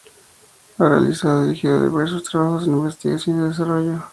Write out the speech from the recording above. Ha realizado y dirigido diversos trabajos de investigación y desarrollo.